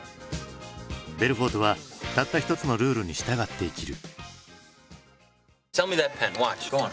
ベルフォートはたった一つのルールに従って生きる。